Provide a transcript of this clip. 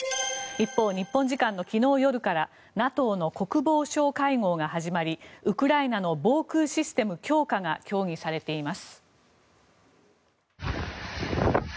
一方、日本時間の昨日夜からＮＡＴＯの国防相会合が始まりウクライナの防空システム強化が協議されています。